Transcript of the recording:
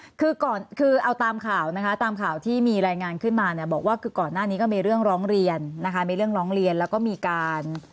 คือก่อนคือเอาตามข่าวนะคะตามข่าวที่มีรายงานขึ้นมาเนี่ยบอกว่าคือก่อนหน้านี้ก็มีเรื่องร้องเรียนนะคะมีเรื่องร้องเรียนแล้วก็มีการ